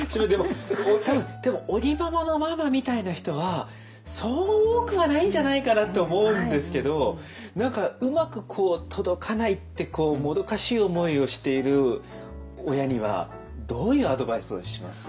多分でも尾木ママのママみたいな人はそう多くはないんじゃないかなと思うんですけど何かうまくこう届かないってもどかしい思いをしている親にはどういうアドバイスをします？